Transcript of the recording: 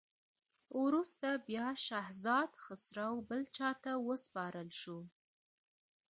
وروسته بیا شهزاده خسرو بل چا ته وسپارل شو.